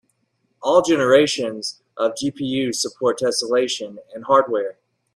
All new generations of GPUs support tesselation in hardware.